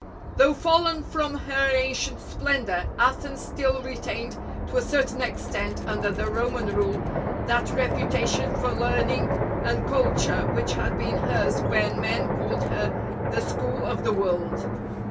Though fallen from her ancient splendour, Athens still retained to a certain extent, under the Roman rule, that reputation for learning and culture which had been hers when men called her the " School of the World."